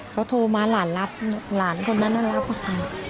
เขาโทรมาหลานรับหลานคนนั้นรับค่ะ